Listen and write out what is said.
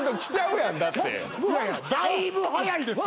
だいぶ早いです。